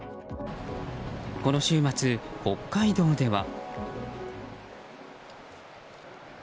この週末、北海道では。